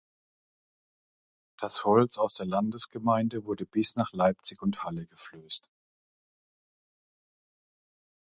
Das Holz aus der Landesgemeinde wurde bis nach Leipzig und Halle geflößt.